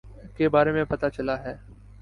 کے بارے میں پتا چلا ہے